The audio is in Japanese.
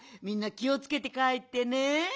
みんなきをつけてかえってね。